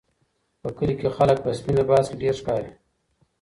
په کلي کې خلک په سپین لباس کې ډېر ښکاري.